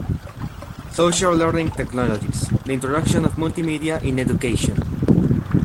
Social Learning Technologies: The Introduction of Multimedia in Education.